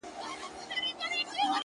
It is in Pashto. زارۍ;